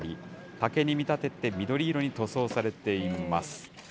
竹に見立てて緑色に塗装されています。